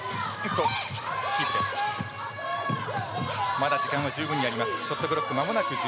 まだ時間は十分にあります。